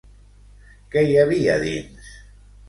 Què hi havia dins?